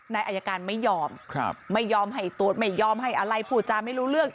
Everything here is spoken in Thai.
อายการไม่ยอมไม่ยอมให้ตรวจไม่ยอมให้อะไรพูดจาไม่รู้เรื่อง